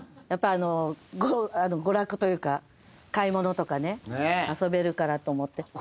やっぱ娯楽というか買い物とかね遊べるからと思って。